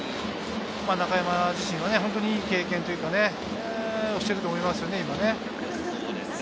中山自身は本当にいい経験というか、してると思いますね。